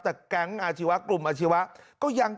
แต่แก๊งอาชีวะกลุ่มอาชีวะก็ยัง